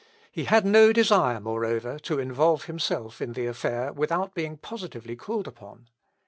He had no desire, moreover, to involve himself in the affair without being positively called upon.